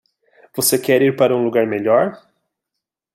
Você quer ir para um lugar melhor?